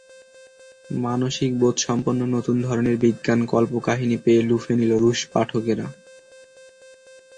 মানবিক বোধসমপন্ন নতুন ধরনের বিজ্ঞান কল্পকাহিনি পেয়ে লুফে নিল রুশ পাঠকেরা।